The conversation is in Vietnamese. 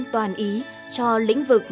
toàn ý cho lĩnh vực